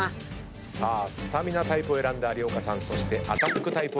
さあスタミナタイプを選んだ有岡さんそしてアタックタイプを選んだ。